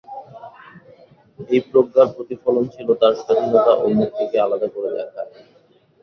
এই প্রজ্ঞার প্রতিফলন ছিল তাঁর স্বাধীনতা ও মুক্তিকে আলাদা করে দেখায়।